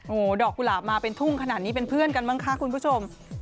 โอ้โหดอกกุหลาบมาเป็นทุ่งขนาดนี้เป็นเพื่อนกันบ้างคะคุณผู้ชม